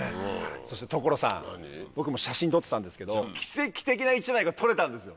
そして所さん僕も写真撮ってたんですけど奇跡的な１枚が撮れたんですよ。